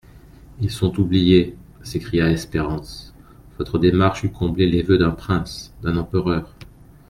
Ils sont oubliés ! s'écria Espérance ; votre démarche eût comblé les voeux d'un prince, d'un empereur.